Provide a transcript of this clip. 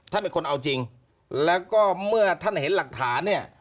เป็นคนเอาจริงแล้วก็เมื่อท่านเห็นหลักฐานเนี่ย